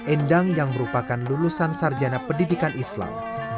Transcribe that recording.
endang yang merupakan lulusan sarjana pendidikan islam dari al quran braille